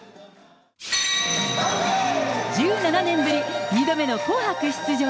１７年ぶり２度目の紅白出場。